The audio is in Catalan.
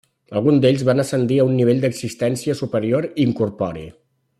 Alguns d'ells van ascendir a un nivell d'existència superior i incorpori.